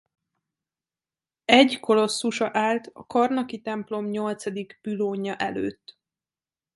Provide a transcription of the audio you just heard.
Egy kolosszusa állt a karnaki templom nyolcadik pülónja előtt.